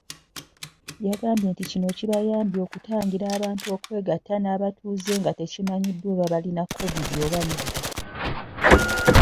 Yagambye kino kibayambye okutangira abantu okwegatta n'abatuuze nga tekimanyiddwa oba balina Kovidi oba nedda.